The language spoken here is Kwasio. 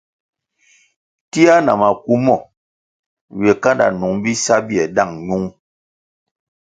Tia na maku mo ywe kanda nung bisa bie dáng ñung.